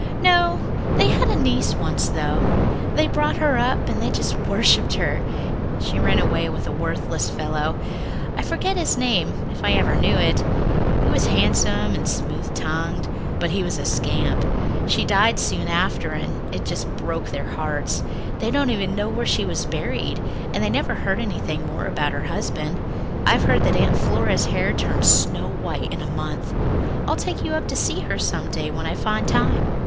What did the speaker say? "No. They had a niece once, though. They brought her up and they just worshipped her. She ran away with a worthless fellow I forget his name, if I ever knew it. He was handsome and smooth tongued, but he was a scamp. She died soon after and it just broke their hearts. They don't even know where she was buried, and they never heard anything more about her husband. I've heard that Aunt Flora's hair turned snow white in a month. I'll take you up to see her some day when I find time."